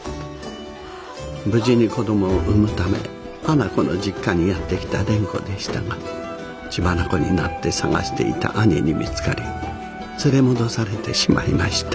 無事に子どもを産むため花子の実家にやって来た蓮子でしたが血眼になって捜していた兄に見つかり連れ戻されてしまいました。